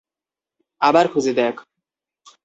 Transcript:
আবার খুঁজে দেখ।